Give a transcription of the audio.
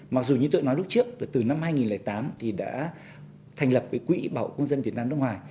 mặc dù như tôi nói lúc trước là từ năm hai nghìn tám thì đã thành lập cái quỹ bảo hộ công dân việt nam nước ngoài